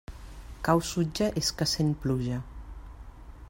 Cau sutja; és que sent pluja.